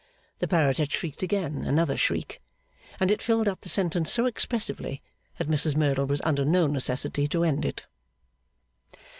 The parrot had shrieked another shriek; and it filled up the sentence so expressively that Mrs Merdle was under no necessity to end it.